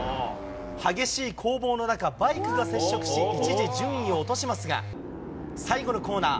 激しい攻防の中、バイクが接触し、一時、順位を落としますが、最後のコーナー。